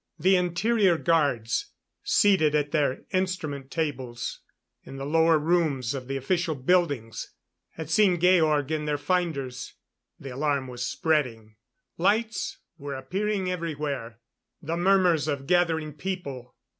The interior guards seated at their instrument tables in the lower rooms of the official buildings had seen Georg in their finders. The alarm was spreading. Lights were appearing everywhere.... The murmurs of gathering people